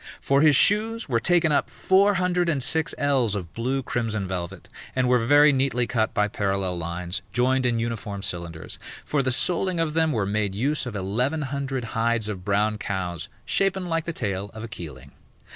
For his shoes were taken up four hundred and six ells of blue crimson velvet, and were very neatly cut by parallel lines, joined in uniform cylinders. For the soling of them were made use of eleven hundred hides of brown cows, shapen like the tail of a keeling.